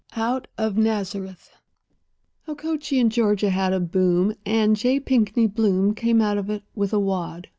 OUT OF NAZARETH Okochee, in Georgia, had a boom, and J. Pinkney Bloom came out of it with a "wad."